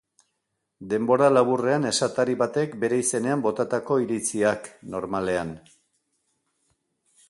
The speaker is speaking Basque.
Denbora laburrean esatari batek bere izenean botatako iritziak normalean.